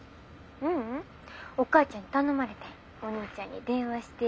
ううんお母ちゃんに頼まれてん。お兄ちゃんに電話してって。